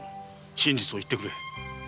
真実を言ってくれ。